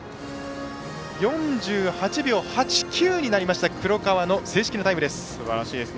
４８秒８９になりました黒川の正式なタイムです。